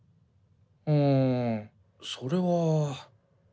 んそれは。